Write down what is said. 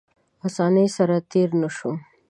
اسانۍ سره تېر نه شو.